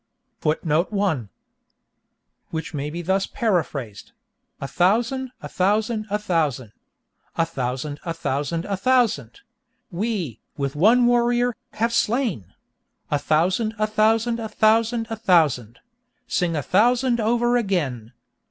(*1) Which may be thus paraphrased: A thousand, a thousand, a thousand, A thousand, a thousand, a thousand, We, with one warrior, have slain! A thousand, a thousand, a thousand, a thousand. Sing a thousand over again!